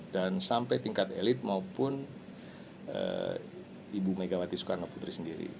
dan sampai tingkat elit maupun ibu megawati soekarno putri sendiri